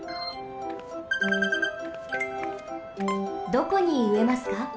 どこにうえますか？